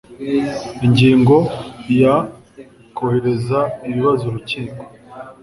Ingingo ya Koherereza ibibazo urukiko